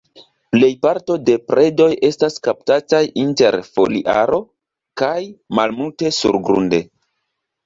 Plejparto de predoj estas kaptataj inter foliaro, kaj malmulte surgrunde.